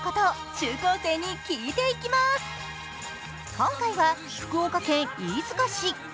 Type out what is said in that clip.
今回は福岡県飯塚市。